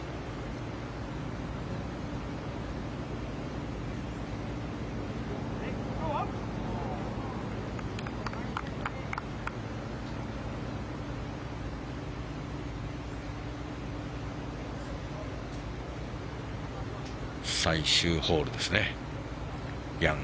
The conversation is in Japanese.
ヤング、最終ホールですね。